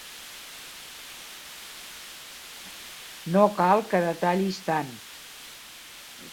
No cal que detallis tant.